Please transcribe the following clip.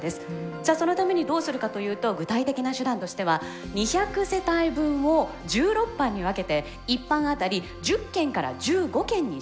じゃあそのためにどうするかというと具体的な手段としては２００世帯分を１６班に分けて１班当たり１０軒から１５軒にしました。